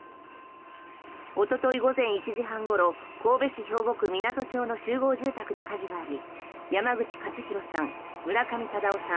おととい午前１時半ごろ神戸市兵庫区湊町の集合住宅で火事があり山口勝弘さん、村上忠雄さん